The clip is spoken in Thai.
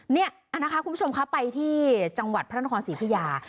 เนี่ยอันนี้ค่ะคุณผู้ชมค่ะไปที่จังหวัดพระราชนครสีพิยา